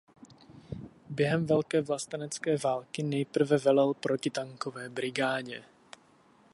Během Velké vlastenecké války nejprve velel protitankové brigádě.